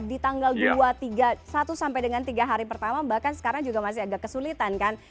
di tanggal dua tiga satu sampai dengan tiga hari pertama bahkan sekarang juga masih agak kesulitan kan